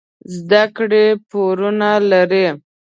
زده کړې پورونه لري.